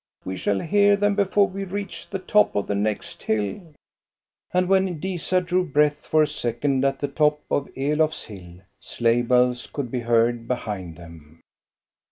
We shall hear them before we reach the top of the next hill." And when Disa drew breath for a second at the top of Elofs hill sleigh bells could be heard behind them.